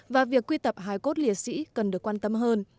và việc quy tập hải cốt liệt sĩ cần được quan tâm hơn